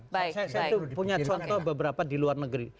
saya tuh punya contoh beberapa di luar negeri